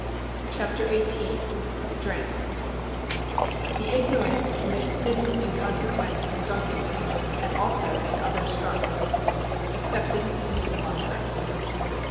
CHAPTER XVIII DRINK 'The ignorant commit sins in consequence of drunkenness, and also make others drunk.' _Acceptance into the Monkhood.